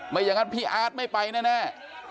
ไม่อย่างนั้นพี่อาร์ตไม่ไปแน่